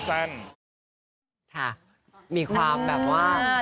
มีความแบบว่า